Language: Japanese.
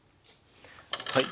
はい。